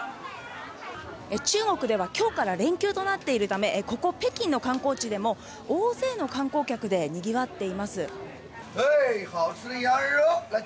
中国では今日から連休となっているためここ北京の観光地でも大勢の観光客でにぎわっています。